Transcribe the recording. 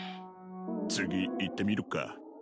次いってみるか。